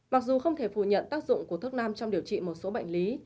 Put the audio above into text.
mặc dù không thể phủ nhận tác dụng của thuốc nam trong điều trị một số bệnh lý